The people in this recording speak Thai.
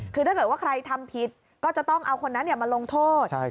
คือถ้าเกิดว่าใครทำผิดก็จะต้องเอาคนนั้นมาลงโทษ